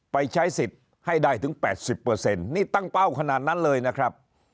ไปใช้สิทธิ์ให้ได้ถึง๘๐นี่ตั้งเป้าขนาดนั้นเลยนะครับ